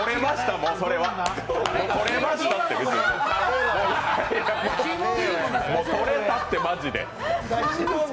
もう撮れたって、マジで。